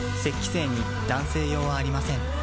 精に男性用はありません